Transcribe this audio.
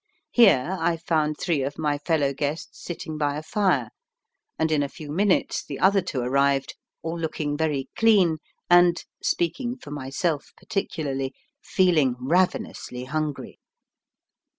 Here I found three of my fellow guests sitting by a fire, and in a few minutes the other two arrived, all looking very clean and (speaking for myself particularly) feeling ravenously hungry.